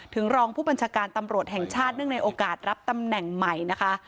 รองผู้บัญชาการตำรวจแห่งชาติเนื่องในโอกาสรับตำแหน่งใหม่นะคะ